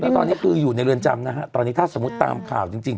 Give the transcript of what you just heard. ตอนนี้คืออยู่ในเรือนจำนะฮะตอนนี้ถ้าสมมุติตามข่าวจริง